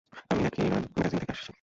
আমি ন্যাকিরান ম্যাগাজিন থেকে এসেছি।